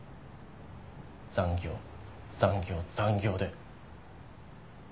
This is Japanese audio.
残業残業残業で。